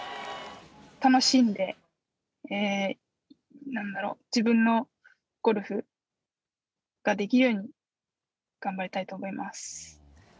楽しんで、なんだろう、自分のゴルフができるように頑張りたいと思います。